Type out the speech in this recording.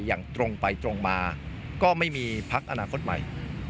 อย่างตรงไปตรงมาก็ไม่มีพักอนาคตใหม่